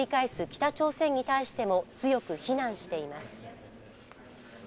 北朝鮮に対しても強く非難しています。